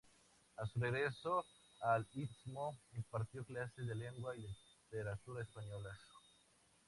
A su regreso al Istmo impartió clases de lengua y literatura españolas.